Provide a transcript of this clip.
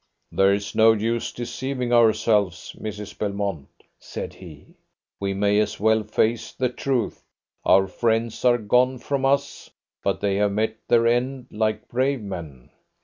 "There is no use deceiving ourselves, Mrs. Belmont," said he; "we may as well face the truth. Our friends are gone from us, but they have met their end like brave men."